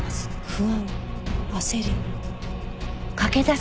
「不安」「焦り」。